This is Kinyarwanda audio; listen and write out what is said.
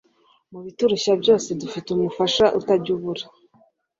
Mu biturushya byose dufite Umufasha utajya abura.